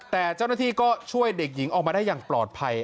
แต่เจ้าหน้าที่ก็ช่วยเด็กหญิงออกมาได้อย่างปลอดภัย